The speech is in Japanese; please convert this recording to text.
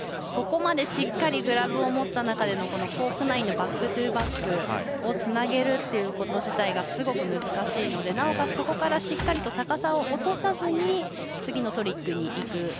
ここまでしっかりグラブを持った中でコーク９００のバックトゥバックつなげるということ自体がすごく難しいのでなおかつ、そこからしっかりと高さを落とさずに次のトリックへ。